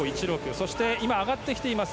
そして今、上がってきています